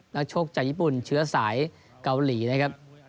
นักชกจากญี่ปุ่นเชื้อสายเกาหลีนะครับ